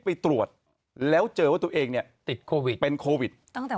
ไปตรวจแล้วเจอว่าตัวเองเนี่ยติดโควิดเป็นโควิดตั้งแต่